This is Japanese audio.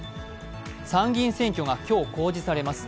参議院選挙が今日、公示されます。